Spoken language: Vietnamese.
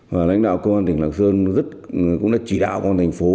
và lãnh đạo công an tỉnh lạc sơn cũng đã chỉ đạo công an thành phố